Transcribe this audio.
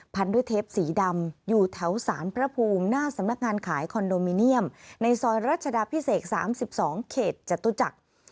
พันด้วยเทปสีดำอยู่แถวสารพระภูมิหน้าสำนักงานขายคอนโดมิเนียมในซอยรัชดาพิเศษ๓๒เขตจตุจักร